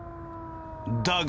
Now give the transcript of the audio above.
だが。